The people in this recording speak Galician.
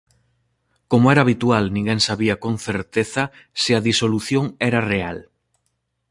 Como era habitual ninguén sabía con certeza se a disolución era real.